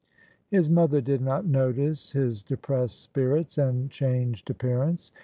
His mother did not notice his depressed spirits and changed appearance.